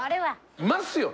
いますよね。